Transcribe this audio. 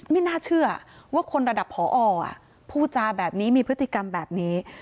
ไม่น่าเชื่อว่าคนระดับผอพูดจาแบบนี้มีพฤติกรรมแบบนี้